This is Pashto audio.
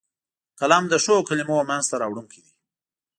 قلم د ښو کلمو منځ ته راوړونکی دی